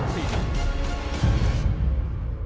ขอบคุณค่ะ